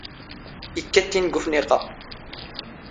ⵉⴽⴽⴰ ⵜⵜ ⵉⵏⵏ ⴳ ⵓⴼⵏⵉⵇ ⴰ.